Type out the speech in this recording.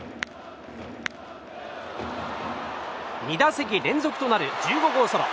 ２打席連続となる１５号ソロ。